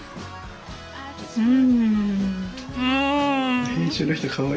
うん。